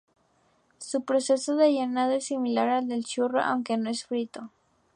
Su proceso de llenado es similar al del churro, aunque no es frito.